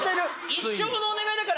一生のお願いだから。